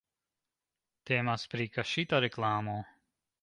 Temas pri kaŝita reklamo.